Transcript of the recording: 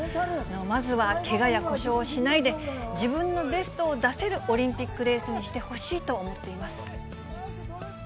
まずはけがや故障をしないで、自分のベストを出せるオリンピックレースにしてほしいと思っています。